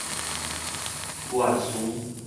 願詞